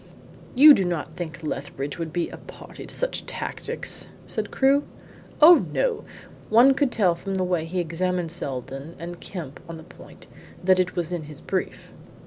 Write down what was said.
"You do not think Lethbridge would be a party to such tactics?" said Crewe. "No, no. One could tell from the way he examined Seldon and Kemp on the point that it was in his brief."